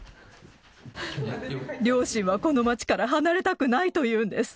両親はこの街から離れたくないと言うんです。